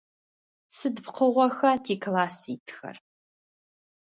Сыд пкъыгъоха тикласс итхэр?